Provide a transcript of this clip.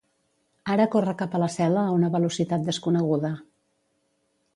Ara corre cap a la cel·la a una velocitat desconeguda.